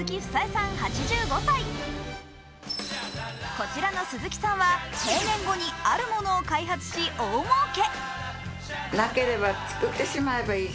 こちらの鈴木さんは定年後にあるものを開発し、大もうけ。